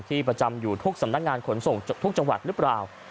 ประจำอยู่ทุกสำนักงานขนส่งทุกจังหวัดหรือเปล่า